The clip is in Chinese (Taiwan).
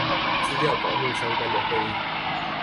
資料保護相關的會議